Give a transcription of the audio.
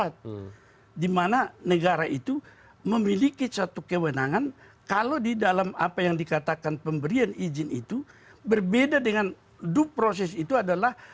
di mana negara itu memiliki satu kewenangan kalau di dalam apa yang dikatakan pemberian izin itu berbeda dengan duproses itu adalah